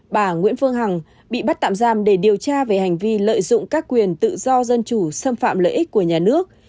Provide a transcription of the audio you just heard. bà nguyễn phương hằng bị bắt tạm giam để điều tra về hành vi lợi dụng các quyền tự do dân chủ xâm phạm lợi ích của nhà nước